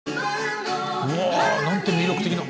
うわなんて魅力的な。